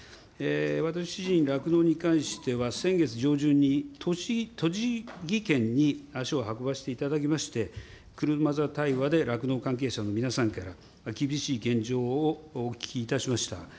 私自身、酪農に関しては、先月上旬に栃木県に足を運ばせていただきまして、車座対話で酪農関係者の皆さんから、厳しい現状をお聞きいたしました。